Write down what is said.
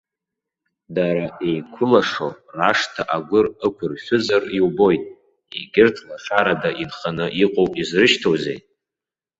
Дара еиқәылашо, рашҭа агәыр ықәыршәызар иубоит, егьырҭ лашарада инханы иҟоу изрышьҭоузеи!